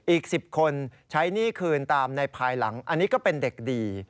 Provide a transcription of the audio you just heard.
อีก๑๐คนใช้หนี้คืนตามในภายหลังอันนี้ก็เป็นเด็กดี